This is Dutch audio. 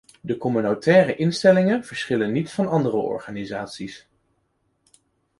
De communautaire instellingen verschillen niet van andere organisaties.